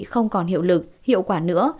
không còn hiệu lực hiệu quả nữa